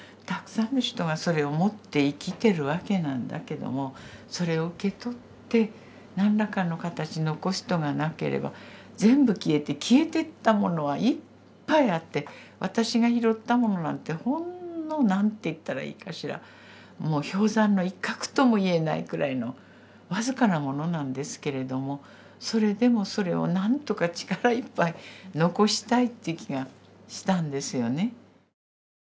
たくさんの人がそれを持って生きてるわけなんだけどもそれを受け取って何らかの形に残す人がなければ全部消えて消えてったものはいっぱいあって私が拾ったものなんてほんの何て言ったらいいかしらもう氷山の一角とも言えないくらいの僅かなものなんですけれどもそれでもそれを何とか力いっぱい残したいっていう気がしたんですよね。